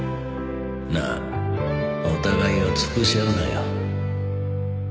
なあお互いをつぶし合うなよ